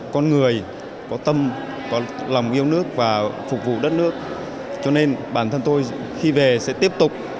con người có tâm có lòng yêu nước và phục vụ đất nước cho nên bản thân tôi khi về sẽ tiếp tục